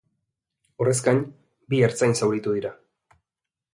Horrez gain, bi ertzain zauritu dira.